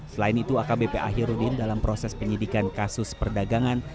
selain itu akbp akhirudin dalam proses penyidikan kasus perdagangan